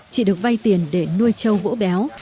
chỉ được vay tiền để nuôi trâu vỗ béo